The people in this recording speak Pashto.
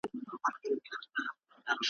یو څه وخت مي راسره ښکلي بچیان وي ,